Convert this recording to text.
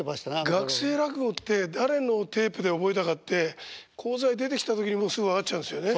学生落語って誰のテープで覚えたかって高座へ出てきた時にもうすぐ分かっちゃうんですよね。